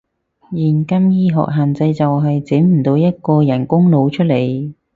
現今醫學限制就係，整唔到一個人工腦出嚟